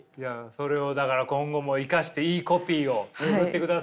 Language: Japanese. それをだから今後も生かしていいコピーを作ってください。